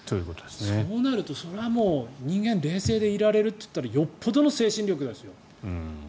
そうなるとそれはもう、人間冷静でいられるといったらよっぽどの精神力ですよ。